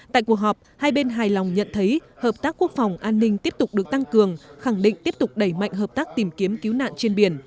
tại cuộc họp hai bên hài lòng nhận thấy hợp tác quốc phòng an ninh tiếp tục được tăng cường khẳng định tiếp tục đẩy mạnh hợp tác tìm kiếm cứu nạn trên biển